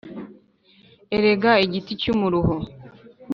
erega igiti cy’umuruho